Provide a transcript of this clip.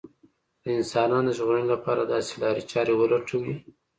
د انسانانو د ژغورنې لپاره داسې لارې چارې ولټوي